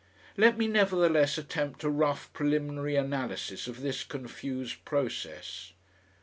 Let me, nevertheless, attempt a rough preliminary analysis of this confused process.